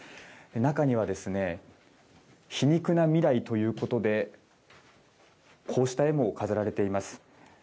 中には皮肉な未来ということで、こうした絵も飾られています。